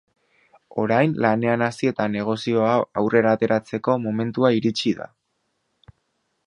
Orain, lanean hasi eta negozioa aurrera ateratzeko momentua iritsi da.